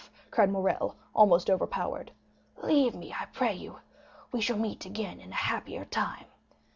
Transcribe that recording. cried Morrel, almost overpowered; "leave me, I pray you; we shall meet again in a happier time.